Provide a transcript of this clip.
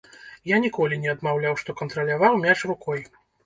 Я ніколі не адмаўляў, што кантраляваў мяч рукой.